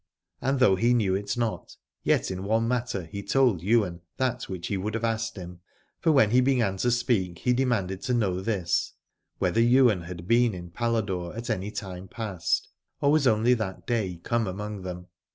And though he knew it not, yet in one matter he told Ywain that which he would have asked him : for when he began to speak he demanded to know this, whether Ywain had been in Paladore at any time past, or was only that day come among them.